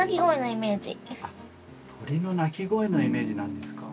あっ鳥の鳴き声のイメージなんですか。